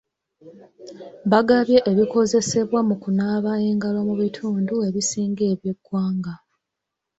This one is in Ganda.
Bagabye ebikozesebwa mu kunaaba engalo mu bitundu ebisinga eby'eggwanga.